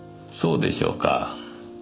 そうでしょうか？